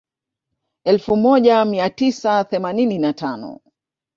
Elfu moja mia tisa themanini na tano